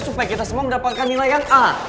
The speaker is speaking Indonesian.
supaya kita semua mendapatkan nilai yang a